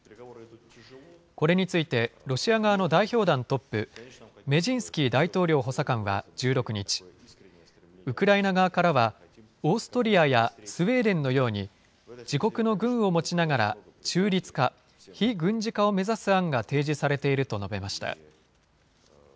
これについて、ロシア側の代表団トップ、メジンスキー大統領補佐官は１６日、ウクライナ側からはオーストリアやスウェーデンのように、自国の軍を持ちながら中立化・非軍事化を目指す案が提示されていると述べました。